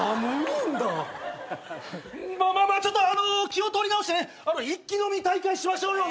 まあまあまあちょっと気を取り直してね一気飲み大会しましょうよ。